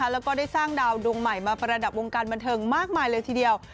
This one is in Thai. แล้วก็ได้สร้างดาวดวงใหม่มาประดับวงการบันเทิงมากมายเลยทีเดียว